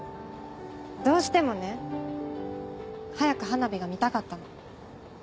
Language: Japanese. どうしてもね早く花火が見たかったの。